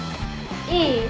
いい？